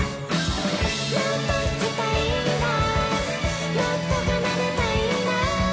「もっと弾きたいんだもっと奏でたいんだ」